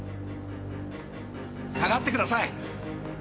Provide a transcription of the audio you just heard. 下がってください！